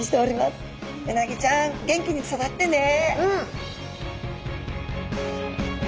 うなぎちゃん元気に育ってね！